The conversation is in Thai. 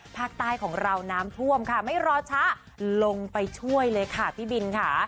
ภาคใต้ของเราน้ำท่วมค่ะไม่รอช้าลงไปช่วยเลยค่ะพี่บินค่ะ